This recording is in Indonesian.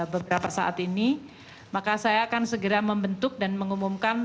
beberapa saat ini maka saya akan segera membentuk dan mengumumkan